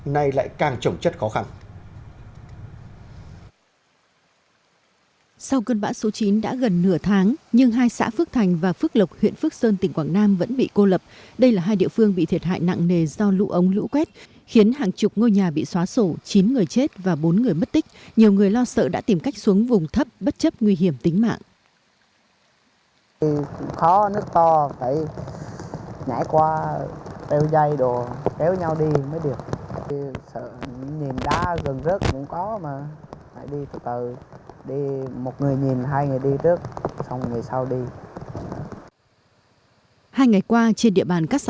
sau cơn bã số chín đã gần nửa tháng nhưng hai xã phước thành và phước lập huyện phước sơn tỉnh quảng nam vẫn bị cô lập đây là hai địa phương bị thiệt hại nặng nề do lũ ống lũ quét khiến hàng chục ngôi nhà bị xóa sổ chín người chết và bốn người mất tích nhiều người lo sợ đã tìm cách xuống vùng thấp bất chấp nguy hiểm tính mạng